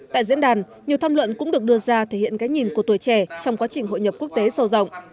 tại diễn đàn nhiều tham luận cũng được đưa ra thể hiện cái nhìn của tuổi trẻ trong quá trình hội nhập quốc tế sâu rộng